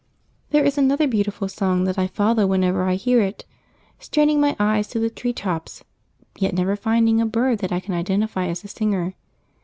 There is another beautiful song that I follow whenever I hear it, straining my eyes to the treetops, yet never finding a bird that I can identify as the singer.